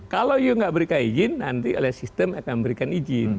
kalau you tidak berikan izin nanti oleh sistem akan memberikan izin